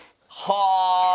はあ！